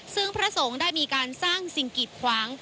ซึ่งพระสงฆ์ได้มีการสร้างสิ่งกิดขวาง